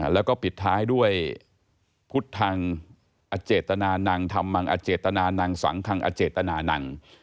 แล้วก็ปิดท้ายด้วยพุทธทางอเจตนานังธรรมังอเจตนานังสังคังอเจตนานัง